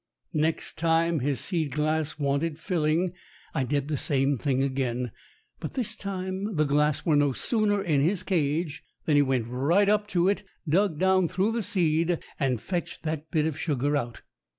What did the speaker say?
Next time his seed glass wanted filling, I did the same thing again. But this time the glass were no sooner in his cage than he went right up to it, dug down through the seed, and fetched that bit of sugar out.